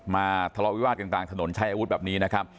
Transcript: ทะเลาะวิวาสกันกลางถนนใช้อาวุธแบบนี้นะครับ